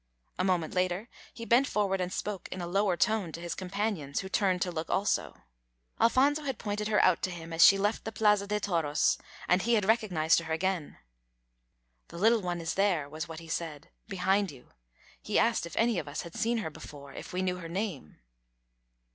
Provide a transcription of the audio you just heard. A moment later he bent forward and spoke in a lower tone to his companions, who turned to look also. Alfonso had pointed her out to him as she left the Plaza de Toros, and he had recognized her again. "The little one is there," was what he said, "behind you. He asked if any of us had seen her before; if we knew her name."